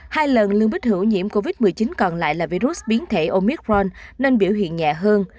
hai lần lương bích hữu nhiễm covid một mươi chín còn lại là virus biến thể omicron nên biểu hiện nhẹ hơn